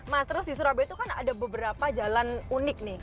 mas terus di surabaya itu kan ada beberapa jalan unik nih